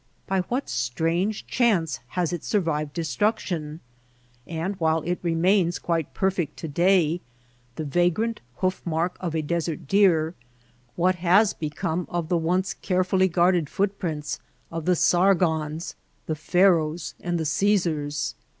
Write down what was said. By what strange chance has it survived destruction ? And while it remains quite perfect to day — the vagrant hoof mark of a desert deer — what has become of the once carefully guarded footprints of the Sargons, the Pharaohs and the Caesars